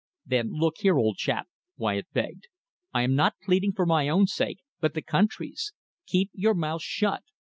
"Then look here, old chap," Wyatt begged, "I am not pleading for my own sake, but the country's. Keep your mouth shut.